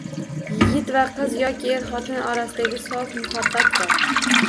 Yigit va qiz yoki er-xotin orasidagi sof muhabbat bor.